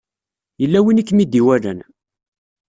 Yella win i kem-id-iwalan.